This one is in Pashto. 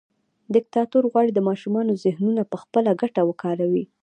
دیکتاتوري غواړي د ماشومانو ذهنونه پخپله ګټه وکاروي.